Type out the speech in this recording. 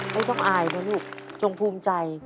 ไม่ต้องอายนะลูกจงภูมิใจ